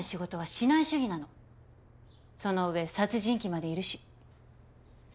その上殺人鬼までいるし。